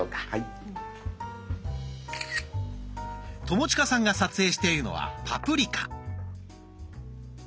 友近さんが撮影しているのはパプリカ。